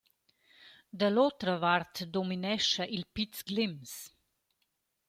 Da l’otra vart dominescha il Piz Glims.